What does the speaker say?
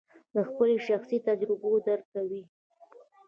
د خپلو شخصي تجربو درک کوو.